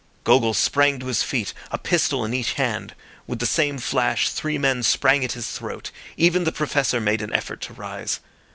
Gogol sprang to his feet, a pistol in each hand. With the same flash three men sprang at his throat. Even the Professor made an effort to rise.